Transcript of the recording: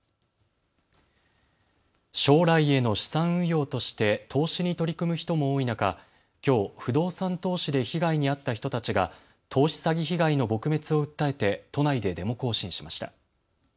将来への資産運用として投資に取り組む人も多い中、きょう不動産投資で被害に遭った人たちが投資詐欺被害の撲滅を訴えて都内でデモ行進しました。